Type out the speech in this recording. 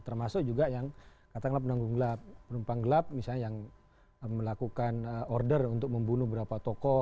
termasuk juga yang kata penumpang gelap misalnya yang melakukan order untuk membunuh berapa tokoh